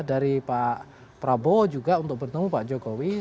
dari pak prabowo juga untuk bertemu pak jokowi